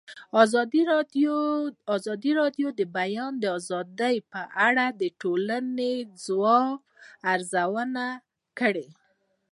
ازادي راډیو د د بیان آزادي په اړه د ټولنې د ځواب ارزونه کړې.